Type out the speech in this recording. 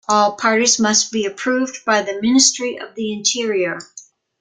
All parties must be approved by the Ministry of the Interior.